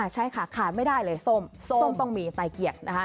ใช่ค่ะขาดไม่ได้เลยส้มต้องมีไตเกียจนะคะ